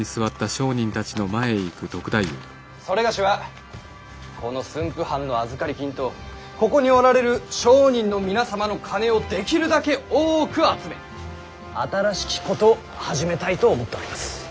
某はこの駿府藩の預かり金とここにおられる商人の皆様の金をできるだけ多く集め新しきことを始めたいと思っております。